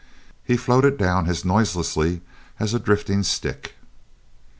He floated down as noiselessly as a drifting stick.